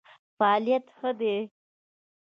فعالیت ښه دی.